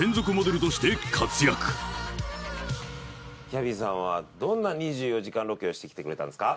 ギャビーさんはどんな２４時間ロケをしてきてくれたんですか？